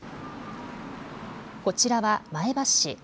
こちらは前橋市。